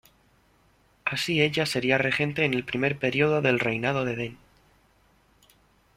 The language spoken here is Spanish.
Así ella sería regente en el primer período del reinado de Den.